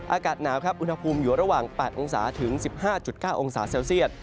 อากาศหนาวครับอุณหภูมิอยู่ระหว่าง๘องศาถึง๑๕๙องศาเซลเซียต